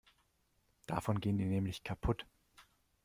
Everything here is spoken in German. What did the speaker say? Davon gehen die nämlich kaputt.